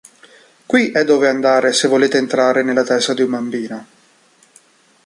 Qui è dove andare se volete entrare nella testa di un bambino.